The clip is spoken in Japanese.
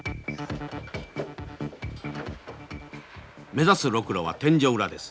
目指すロクロは天井裏です。